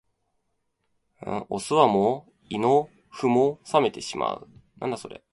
お座も胃の腑も冷めてしまう